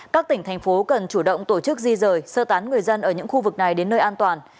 các tỉnh thành phố cần chủ động tổ chức di rời sơ tán người dân ở những khu vực này đến nơi an toàn